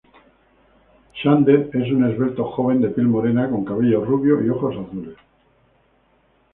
Xander es un esbelto joven de piel morena con cabello rubio y ojos azules.